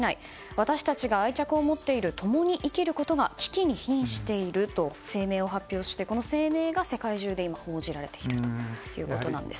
私たちが愛着を持っている共に生きることが危機に瀕していると声明を発表してこの声明が世界中で報じられているということです。